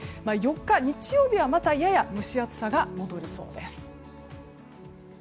４日、日曜日はやや蒸し暑さが戻りそうです。